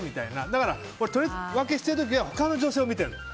だから、取り分けしてる時は他の女性を見てる。